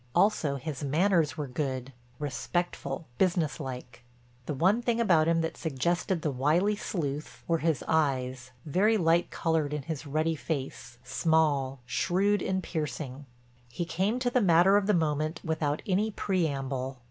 Also his manners were good, respectful, businesslike. The one thing about him that suggested the wily sleuth were his eyes, very light colored in his ruddy face, small, shrewd and piercing. He came to the matter of the moment without any preamble.